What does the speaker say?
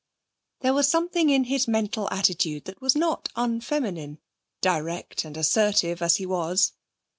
There was something in his mental attitude that was not unfeminine, direct and assertive as he was.